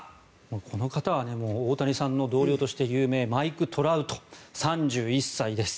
この方は大谷さんの同僚として有名マイク・トラウト、３１歳です。